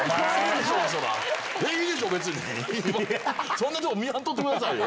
そんなとこ見やんとってくださいよ！